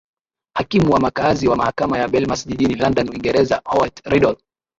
hakimu wa mkaazi wa mahakama ya belmas jijini london uingereza howart riddle